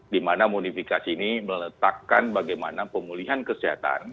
di mana modifikasi ini meletakkan bagaimana pemulihan kesehatan